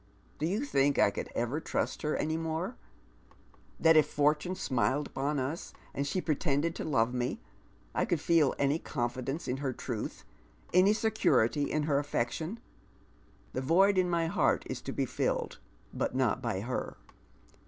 Do you think I could ever trust her afiy more ?— that if fortune smiled upon us, and she pre tended to love me, I could feel any confidence in her truth, any security in her affection ? The void in my heart is to be filled, but not by her.